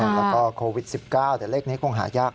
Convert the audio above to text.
แล้วก็โควิด๑๙แต่เลขนี้คงหายาก